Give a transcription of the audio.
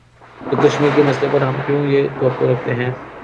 تو کشمیر کے مسئلے پر ہم کیوں یہ توقع رکھتے ہیں۔